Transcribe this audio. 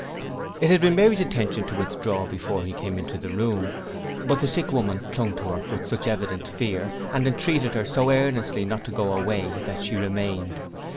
It had been Mary's intention to withdraw before he came into the room, but the sick woman clung to her in such evident fear, and entreated her so earnestly not to go away, that she remained.